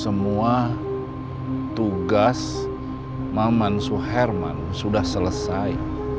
semua tugas maman suherman sudah selesai